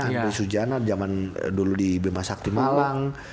henry sujana jaman dulu di bema saktimalang